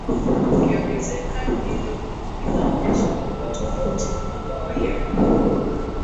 ukiongezeka Hilo linaonyesha kwamba tofauti na hapo awali ambapo